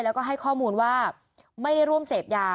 แล้วก็ให้ข้อมูลว่าไม่ได้ร่วมเสพยา